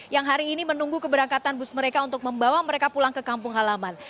yang hari ini menunggu keberangkatan bus mereka untuk membawa mereka pulang ke kampung halaman